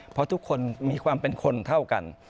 เพราะทุกคนมีความเป็นคนเท่ากัน